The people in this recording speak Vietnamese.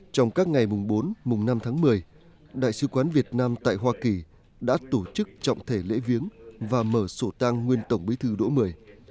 trong các ngày bốn năm tháng một mươi đại sứ quán việt nam tại hoa kỳ đã tổ chức trọng thể lễ viếng và mở sổ tang nguyên tổng bí thư độ một mươi